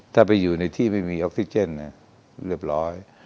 ถ้าไปอยู่ในที่ไม่มีออกซิเจนเรียบร้อย